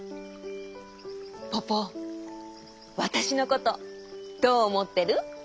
ポポわたしのことどうおもってる？